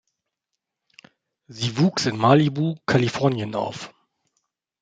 Sie wuchs in Malibu, Kalifornien auf.